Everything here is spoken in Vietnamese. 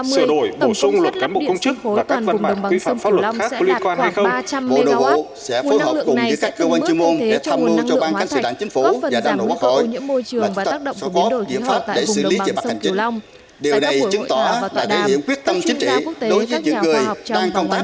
sửa đổi bổ sung luật cán bộ công chức và các văn bản quy phạm pháp luật khác có liên quan hay không